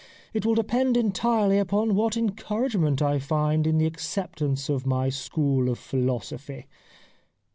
It will depend entirely upon what encourage ment I find in the acceptance of my school of philosophy.'